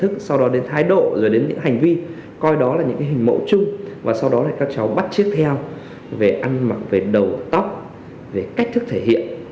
các cháu bắt chiếc theo về ăn mặc về đầu tóc về cách thức thể hiện